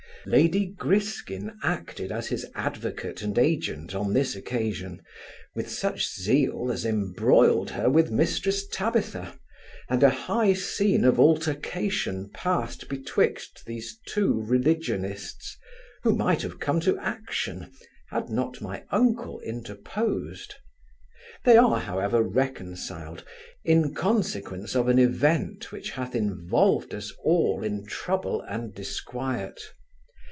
Lady Griskin acted as his advocate and agent on this occasion, with such zeal as embroiled her with Mrs Tabitha, and a high scene of altercation passed betwixt these two religionists, which might have come to action, had not my uncle interposed. They are however reconciled, in consequence of an event which hath involved us all in trouble and disquiet.